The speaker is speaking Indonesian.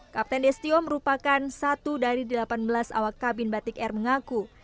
kapten destio merupakan satu dari delapan belas awak kabin batik air mengaku